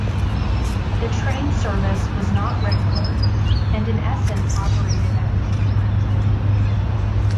The train service was not regular and in essence operated at peak times only.